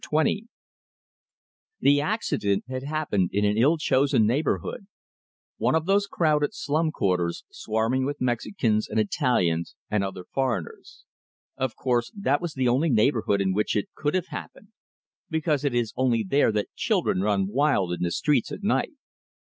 XX The accident had happened in an ill chosen neighborhood: one of those crowded slum quarters, swarming with Mexicans and Italians and other foreigners. Of course, that was the only neighborhood in which it could have happened, because it is only there that children run wild in the streets at night.